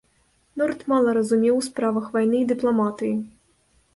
Норт мала разумеў ў справах вайны і дыпламатыі.